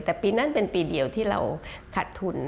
แต่ปีนั้นเป็นปีเดียวที่เราขัดทุน